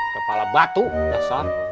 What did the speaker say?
kepala batu ndak sam